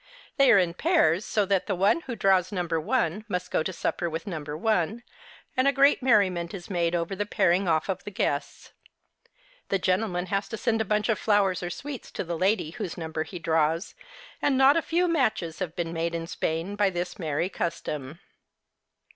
They are in pairs, so that the one who draws number one must go to supper with number one, and great merriment is made over the pair ing off of the guests. The gentleman has to send a bunch of flowers or sweets to the lady whose number he draws, and not a few matches have been made in Spain by this merry cus tom.